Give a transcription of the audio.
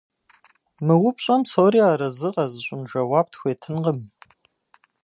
Мы упщӀэм псори арэзы къэзыщӀын жэуап тхуетынкъым.